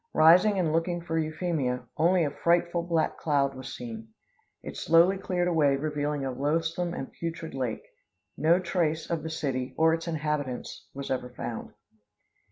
Rising and looking for Euphemia, only a frightful black cloud was seen. It slowly cleared away revealing a loathsome and putrid lake. No trace of the city or its inhabitants was ever found.